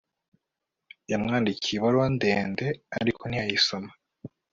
yamwandikiye ibaruwa ndende, ariko ntiyayisoma